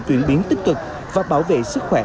chuyển biến tích cực và bảo vệ sức khỏe